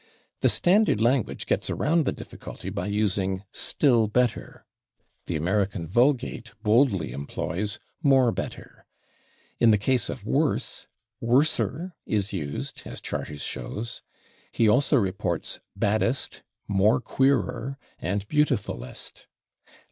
The standard language gets around the difficulty by using /still better/. The American vulgate boldly employs /more better/. In the case of /worse/, /worser/ is used, as Charters shows. He also reports /baddest/, /more queerer/ and /beautifulest